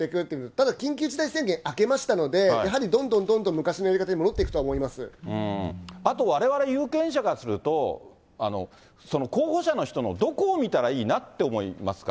ただ緊急事態宣言明けましたので、やはりどんどんどんどん昔のやりあと、われわれ有権者からすると、候補者の人のどこを見たらいいなって思いますか？